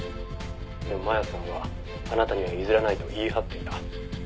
「でも真弥さんはあなたには譲らないと言い張っていた」